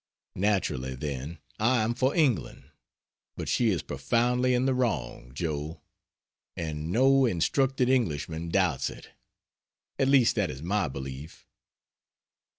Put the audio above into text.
Naturally, then, I am for England; but she is profoundly in the wrong, Joe, and no (instructed) Englishman doubts it. At least that is my belief.